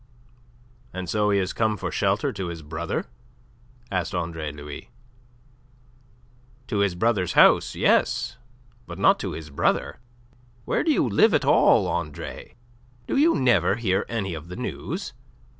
"And so he has come for shelter to his brother?" asked Andre Louis. "To his brother's house, yes; but not to his brother. Where do you live at all, Andre? Do you never hear any of the news?